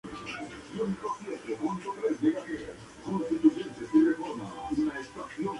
Es un sulfato complejo hidratado de calcio, con aniones adicionales de hexa-hidroxi-silicato y carbonato.